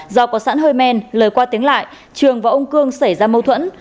do có sẵn hơi men lời qua tiếng lại trường và ông cương xảy ra mâu thuẫn